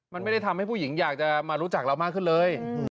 มันไม่ได้ทำให้ผู้หญิงอยากจะมารู้จักเรามากขึ้นเลย